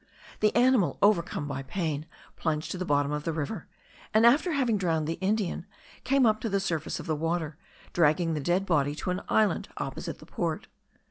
The animal, overcome by pain, plunged to the bottom of the river, and, after having drowned the Indian, came up to the surface of the water, dragging the dead body to an island opposite the port.